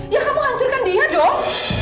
ya kamu hancurkan dia dong